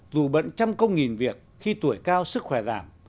dù bận trăm công nghìn việc khi tuổi cao sức khỏe giảm